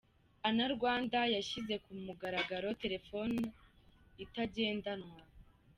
Ana rwanda yashyize ku mugaragaro telefoni itagendanwa